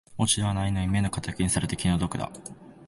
落ち度はないのに目の敵にされて気の毒だ